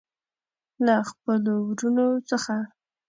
له خپلو وروڼو څخه.